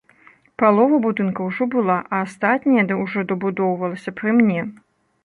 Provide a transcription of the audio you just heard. Палова будынка ўжо была, а астатняе ўжо дабудоўвалася пры мне.